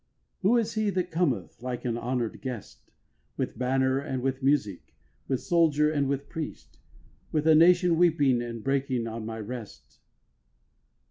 6. Who is he that cometh, like an honour'd guest, With banner and with music, with soldier and with priest, With a nation weeping, and breaking on my rest?